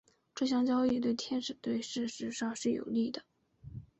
这项交易对天使队事实上是有利的。